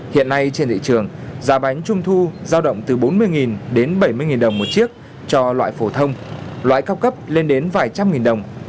hiện nay trên thị trường giá bánh trung thu giao động từ bốn mươi đến bảy mươi đồng một chiếc cho loại phổ thông loại cao cấp lên đến vài trăm nghìn đồng